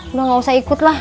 udah gak usah ikut lah